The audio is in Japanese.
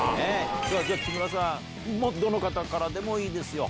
じゃあ木村さんどの方からでもいいですよ。